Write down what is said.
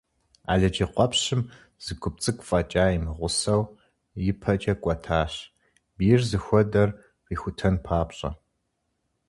Алыджыкъуэпщым зы гуп цӏыкӏу фӏэкӏа имыгъусэу ипэкӏэ кӏуэтащ, бийр зыхуэдэр къихутэн папщӏэ.